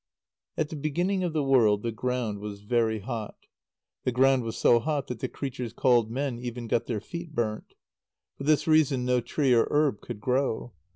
_ At the beginning of the world the ground was very hot. The ground was so hot that the creatures called men even got their feet burnt. For this reason, no tree or herb could grow.